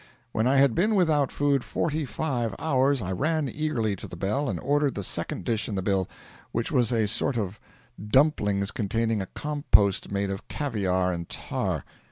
When I had been without food forty five hours I ran eagerly to the bell and ordered the second dish in the bill, which was a sort of dumplings containing a compost made of caviar and tar.